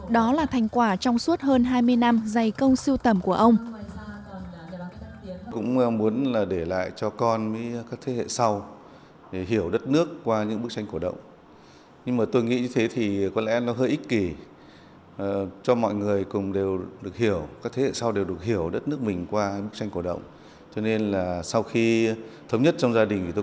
đó là thành quả trong suốt hơn hai mươi năm dày công siêu tầm của ông